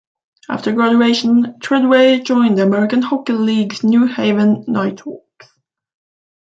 After graduation, Tredway joined the American Hockey League's New Haven Nighthawks.